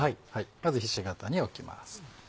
まずひし形に置きます。